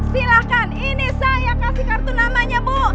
silahkan ini saya kasih kartu namanya bu